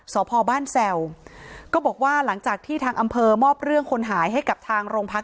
สพบ้านแซวก็บอกว่าหลังจากที่ทางอำเภอมอบเรื่องคนหายให้กับทางโรงพัก